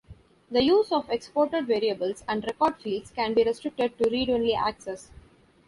The use of exported variables and record fields can be restricted to read-only access.